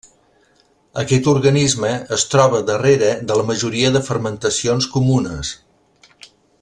Aquest organisme es troba darrere de la majoria de fermentacions comunes.